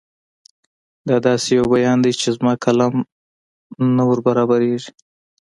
دا داسې یو بیان دی چې زما قلم نه وربرابرېږي.